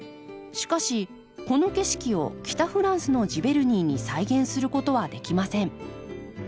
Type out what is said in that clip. しかしこの景色を北フランスのジヴェルニーに再現することはできません。